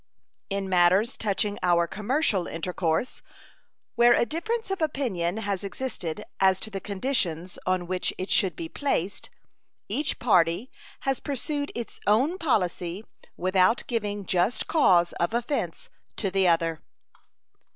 In matters touching our commercial intercourse, where a difference of opinion has existed as to the conditions on which it should be placed, each party has pursued its own policy without giving just cause of offense to the other.